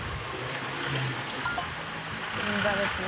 銀座ですね。